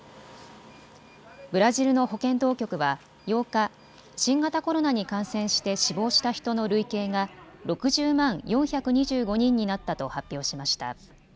ブラジルの保健当局は８日、新型コロナに感染して死亡した人の累計が６０万４２５人になったと発表しました。